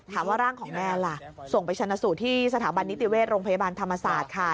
ร่างของแมนล่ะส่งไปชนะสูตรที่สถาบันนิติเวชโรงพยาบาลธรรมศาสตร์ค่ะ